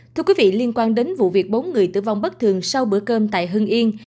thưa quý vị liên quan đến vụ việc bốn người tử vong bất thường sau bữa cơm tại hưng yên